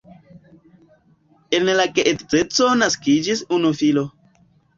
El la geedzeco naskiĝis unu filo.